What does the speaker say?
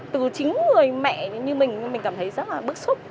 từ chính người mẹ như mình mình cảm thấy rất là bức xúc